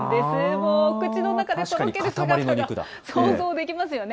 もう、お口の中でとろけるのが想像できますよね。